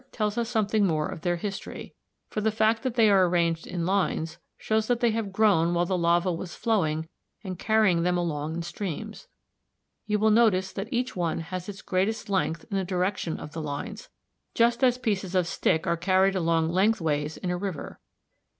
41), tells us something more of their history, for the fact that they are arranged in lines shows that they have grown while the lava was flowing and carrying them along in streams. You will notice that each one has its greatest length in the direction of the lines, just as pieces of stick are carried along lengthways in a river.